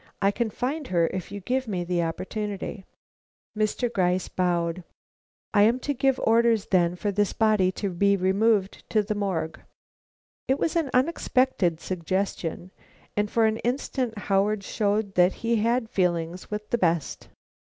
"I can find her if you give me the opportunity." Mr. Gryce bowed. "I am to give orders, then, for this body to be removed to the Morgue." It was an unexpected suggestion, and for an instant Howard showed that he had feelings with the best.